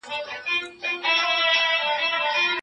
ټولنیز عدالت د پیوستون اصل دی.